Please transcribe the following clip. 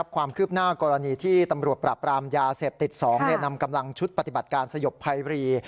ความคืบหน้ากรณีที่ตำรวจปราบรามยาเสพติด๒นำกำลังชุดปฏิบัติการสยบภัยบรี